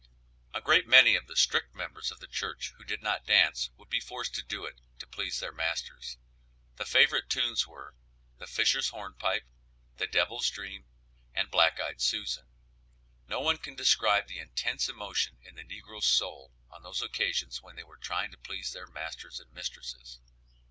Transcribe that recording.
A great many of the strict members of the church who did not dance would be forced to do it to please their masters; the favorite tunes were "The Fisher's Hornpipe," "The Devil's Dream," and "Black eyed Susan." No one can describe the intense emotion in the negro's soul on those occasions when they were trying to please their masters and mistresses.